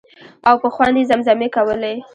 او په خوند یې زمزمې کولې.